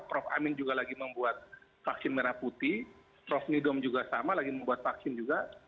prof amin juga lagi membuat vaksin merah putih prof nidom juga sama lagi membuat vaksin juga